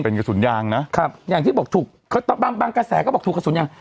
เป็นกระสุนยางนะครับอย่างที่บอกถูกบางบางกระแสก็บอกถูกกระสุนยาง